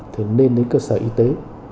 thì nên đến cơ sở y tế